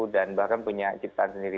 dan bahkan punya ciptaan sendiri